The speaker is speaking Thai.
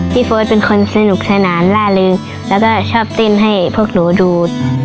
โฟสเป็นคนสนุกสนานล่าเริงแล้วก็ชอบเต้นให้พวกหนูดู